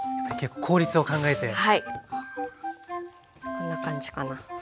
こんな感じかな。